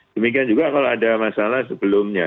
demikian juga kalau ada masalah sebelumnya